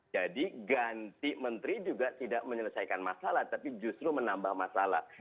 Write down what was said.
jadi ganti menteri juga tidak menyelesaikan masalah tapi justru menambah masalah